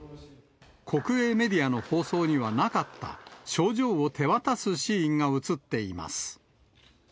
国営メディアの放送にはなかった、賞状を手渡すシーンが写っています。